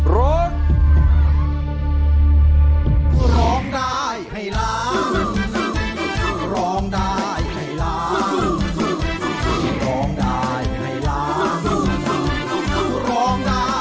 ร้องได้ให้ล้าน